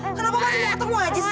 kenapa pas mau ketemu aja sih